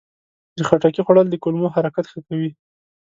د خټکي خوړل د کولمو حرکت ښه کوي.